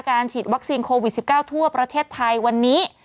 ฉีดวัคซีนโควิด๑๙ทั่วประเทศไทยวันนี้